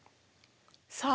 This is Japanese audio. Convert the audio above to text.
さあ。